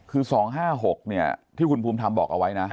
คือ๒๕๖ที่คุณภูมิธรรมบอกเอาไว้นะ